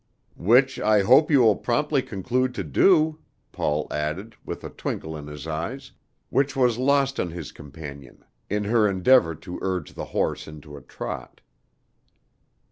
"Which I hope you will promptly conclude to do," Paul added, with a twinkle in his eyes, which was lost on his companion, in her endeavor to urge the horse into a trot.